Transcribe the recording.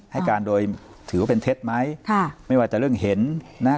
ให้การโดยถือว่าเป็นเท็จไหมค่ะไม่ว่าจะเรื่องเห็นนะฮะ